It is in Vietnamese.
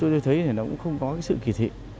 tôi thấy là nó cũng không có cái sự kỳ thị